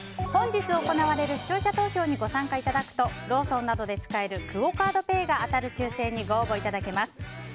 本日行われる視聴者投票にご参加いただくとローソンなどで使えるクオ・カードペイが当たる抽選にご応募いただけます。